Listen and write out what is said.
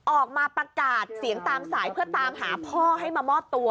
ออกมาประกาศเสียงตามสายเพื่อตามหาพ่อให้มามอบตัว